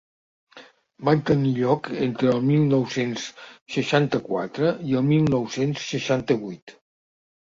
Van tenir lloc entre el mil nou-cents seixanta-quatre i el mil nou-cents seixanta-vuit.